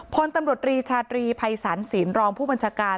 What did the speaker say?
พลตำรวจรีชาตรีภัยศาลศีลรองผู้บัญชาการ